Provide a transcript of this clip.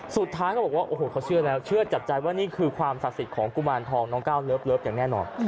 สุดท้ายถ้าบอกว่าเขาเชื่อแล้วเชื่อจัดใจว่านี่คือความสรรค์ศาสตร์ของกุบันทองน้องก็อย่างแน่นอน